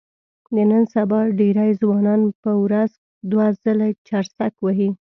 د نن سبا ډېری ځوانان په ورځ دوه ځله چرسک وهي.